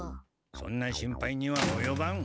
そんな心配にはおよばん。